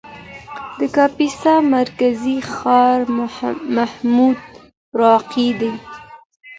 د کاپیسا مرکزي ښار محمودراقي دی.